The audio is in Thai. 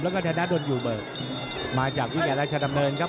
แล้วก็ธนาดนอยู่เบิกมาจากวิทยาลัยชนเตอร์เมินครับ